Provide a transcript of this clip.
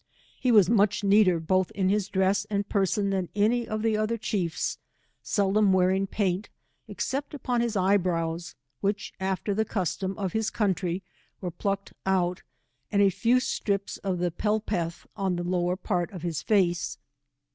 He was much neater both in his dress and person than any of the other chiefs, seldom wearing paint, except upon his eye brows, v/hich after the custom of his country, were plucked out, and a few strips of the pelpelth on the lower part of his face.